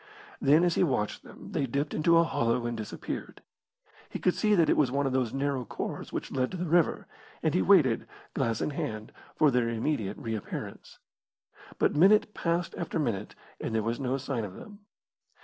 Then as he watched them they dipped into a hollow and disappeared. He could see that it was one of those narrow khors which led to the river, and he waited, glass in hand, for their immediate reappearance. But minute passed after minute and there was no sign of them.